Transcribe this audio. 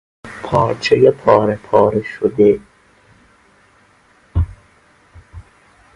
پارچهی پارهپاره شده